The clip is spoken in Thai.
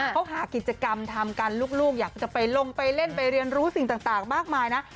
เขาหากิจกรรมทำกันลูกอยากจะไปลงไปเล่นไปเรียนรู้สิ่งต่างมากมายนะ